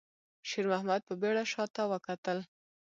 شېرمحمد په بيړه شاته وکتل.